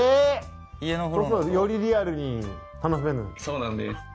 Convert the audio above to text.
そうなんです。